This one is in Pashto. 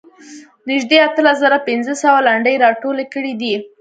نږدې اتلس زره پنځه سوه لنډۍ راټولې کړې دي.